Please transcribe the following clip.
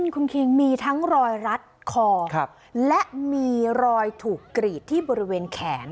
คุณคิงมีทั้งรอยรัดคอและมีรอยถูกกรีดที่บริเวณแขน